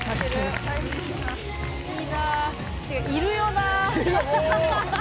いるよな。